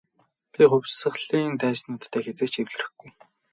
Би хувьсгалын дайснуудтай хэзээ ч эвлэрэхгүй.